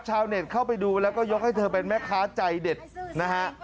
ชาวเน็ตเข้าไปดูแล้วก็ยกให้เธอเป็นแม่ค้าใจเด็ดนะฮะ